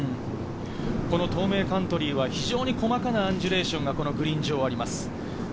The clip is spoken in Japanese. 東名カントリーは非常に細かなアンジュレーションがグリーン上あります。